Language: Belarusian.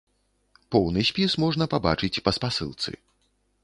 Поўны спіс можна пабачыць па спасылцы.